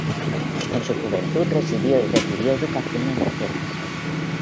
En su juventud residió y recibió educación en Atenas.